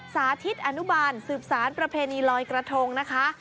สาธิตอนุบาลสืบสารประเพณีลอยกระทงนะคะ